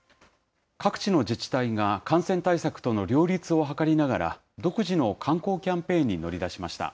各地の自治体が感染対策との両立を図りながら、独自の観光キャンペーンに乗り出しました。